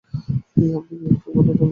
আপনি কি একটু আলো আনতে পারবেন?